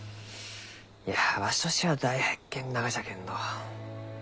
いやわしとしては大発見ながじゃけんど。